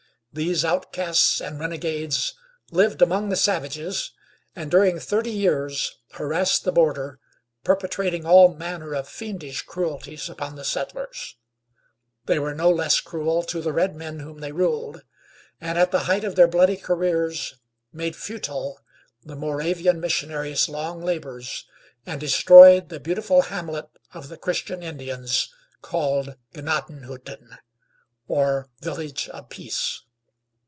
These outcasts and renegades lived among the savages, and during thirty years harassed the border, perpetrating all manner of fiendish cruelties upon the settlers. They were no less cruel to the redmen whom they ruled, and at the height of their bloody careers made futile the Moravian missionaries' long labors, and destroyed the beautiful hamlet of the Christian Indians, called Gnaddenhutten, or Village of Peace.